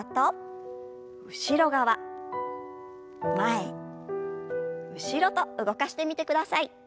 前後ろと動かしてみてください。